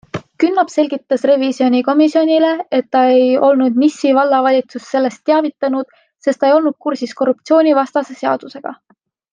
Künnap selgitas revisjonikomisjonile, et ta ei olnud Nissi vallavalitsust sellest teavitanud, sest ta ei olnud kursis korruptsioonivastase seadusega.